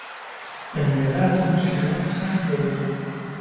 له میلاد مخکې ژوند سخت تېریدو